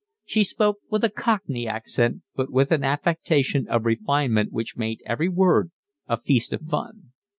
She spoke with a cockney accent, but with an affectation of refinement which made every word a feast of fun.